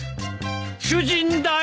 主人だよ！